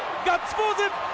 ガッツポーズ！